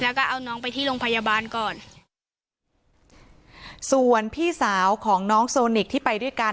แล้วก็เอาน้องไปที่โรงพยาบาลก่อนส่วนพี่สาวของน้องโซนิกที่ไปด้วยกัน